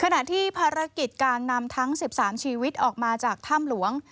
ขณะที่ภารกิจการนำทั้ง๑๓ชีวิตออกมาจากถ้ำหลวง